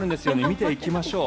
見ていきましょう。